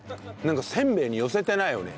せんべいに寄せてないよね